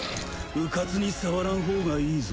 うかつに触らんほうがいいぞ。